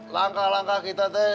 langkah langkah kita teh